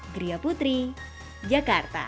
gria putri jakarta